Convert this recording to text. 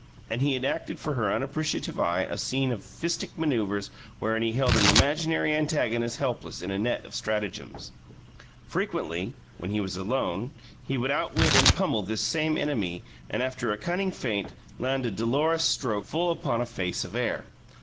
And he enacted for her unappreciative eye a scene of fistic manoeuvres wherein he held an imaginary antagonist helpless in a net of stratagems. Frequently, when he was alone, he would outwit, and pummel this same enemy, and, after a cunning feint, land a dolorous stroke full upon a face of air.